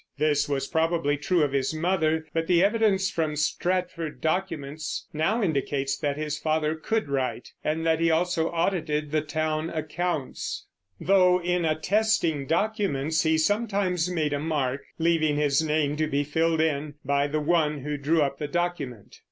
This was probably true of his mother; but the evidence from Stratford documents now indicates that his father could write, and that he also audited the town accounts; though in attesting documents he sometimes made a mark, leaving his name to be filled in by the one who drew up the document.